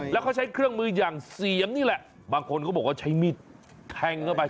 แล้วเขาใช้เครื่องมืออย่างเสียมนี่แหละบางคนก็บอกว่าใช้มีดแทงเข้าไป